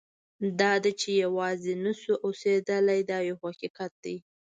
دا ده چې یوازې نه شو اوسېدلی دا یو حقیقت دی.